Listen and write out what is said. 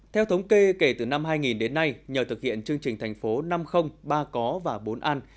theo thống kê kể từ năm hai nghìn đến nay nhờ thực hiện chương trình thành phố năm ba có và bốn ăn